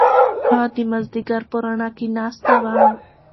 هغه د مازیګر په رڼا کې ناسته وه.